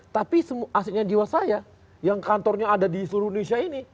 tapi asetnya jiwasraya yang kantornya ada di seluruh indonesia ini